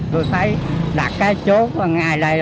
tôi thấy đặt cái chốt ngay đây